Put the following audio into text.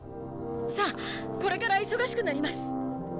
さあこれから忙しくなります。